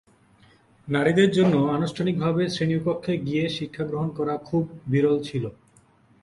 নারীদের জন্য আনুষ্ঠানিকভাবে শ্রেণীকক্ষে গিয়ে শিক্ষাগ্রহণ করা খুব বিরল ছিল।